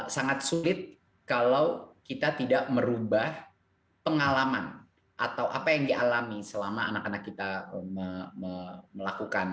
sangat sulit kalau kita tidak merubah pengalaman atau apa yang dialami selama anak anak kita melakukan